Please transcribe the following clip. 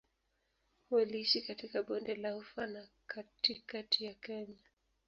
Waliishi katika Bonde la Ufa na katikati ya Kenya.